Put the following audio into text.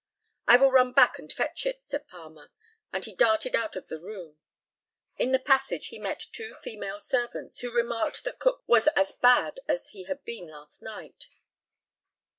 "I will run back and fetch it," said Palmer, and he darted out of the room. In the passage he met two female servants, who remarked that Cook was as "bad" as he had been last night.